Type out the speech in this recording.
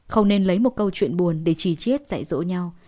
không nên lấy một câu chuyện buồn để trì chiết dạy dỗ nhau